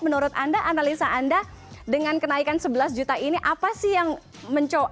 menurut anda analisa anda dengan kenaikan sebelas juta ini apa sih yang mencoba